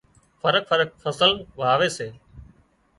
فرق فرق فصل واوي سي